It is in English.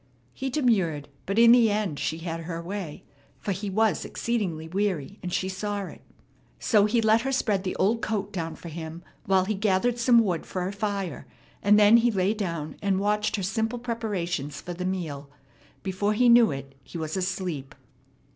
He demurred, but in the end she had her way; for he was exceedingly weary, and she saw it. So he let her spread the old coat down for him while he gathered some wood for a fire, and then he lay down and watched her simple preparations for the meal. Before he knew it he was asleep.